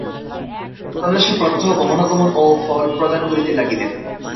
সন্ন্যাসী প্রত্যহ গমনাগমন ও ফলপ্রদান করিতে লাগিলেন।